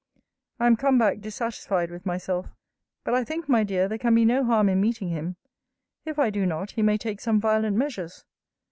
I am come back dissatisfied with myself. But I think, my dear, there can be no harm in meeting him. If I do not, he may take some violent measures.